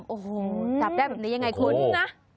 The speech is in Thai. โอ้โหจับได้แบบนี้ยังไงคุณนะ